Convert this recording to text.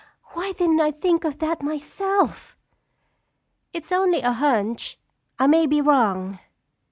Why didn't I think of that myself?" "It's only a hunch. I may be wrong."